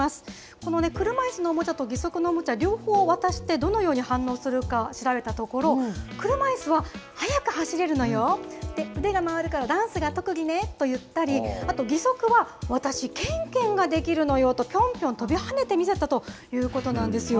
このね、車いすのおもちゃと義足のおもちゃ、両方渡して、どのように反応するか調べたところ、車いすは、速く走れるのよ、腕が回るからダンスが特技ねと言ったり、あと義足は、私、ケンケンができるのよと、ぴょんぴょん跳びはねてみせたということなんですよ。